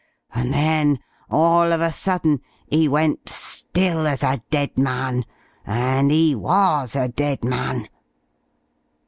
And then, all of a sudden, 'e went still as a dead man and 'e was a dead man.